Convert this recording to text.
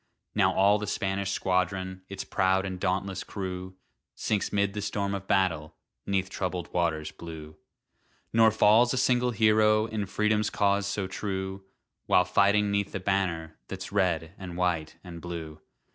Now all the Spanish squadron, Its proud and dauntless crew, Sinks 'mid the storm of battle, 'Neath troubled waters blue. Nor falls a single hero In Freedom's cause so true, While fighting 'neath the banner That's red and white and blue.